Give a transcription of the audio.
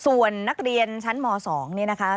ส่วนนักเรียนชั้นม๒นี่นะคะ